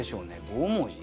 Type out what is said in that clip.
５文字？